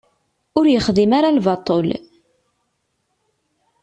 Ur yexdim ara lbaṭel.